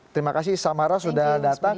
terima kasih samara sudah datang